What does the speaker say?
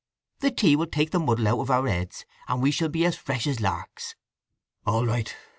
The tea will take the muddle out of our heads, and we shall be as fresh as larks." "All right.